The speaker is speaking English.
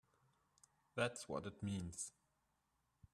That's what it means!